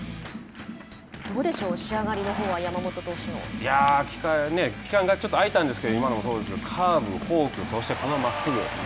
どうでしょう仕上がりのほうは期間がちょっとあいたんですけど今のもそうですけどカーブ、フォークそして、このまっすぐ。